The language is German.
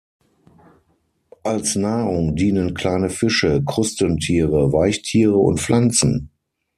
Als Nahrung dienen kleine Fische, Krustentiere, Weichtiere und Pflanzen.